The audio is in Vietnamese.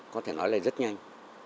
có thể nói là rất nhanh